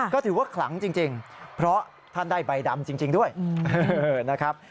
ก็ถือว่าขลังจริงเพราะท่านได้ใบดำจริงด้วยนะครับ